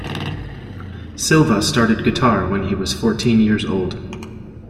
Silva started guitar when he was fourteen years old.